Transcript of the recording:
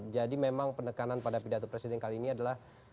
jadi memang penekanan pada pidato presiden kali ini adalah